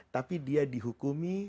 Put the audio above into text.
tapi dia dihukumi